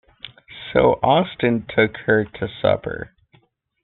So Austin took her to supper.